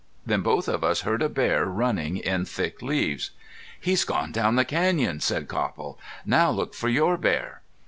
Then both of us heard a bear running in thick leaves. "He's gone down the canyon," said Copple. "Now look for your bear."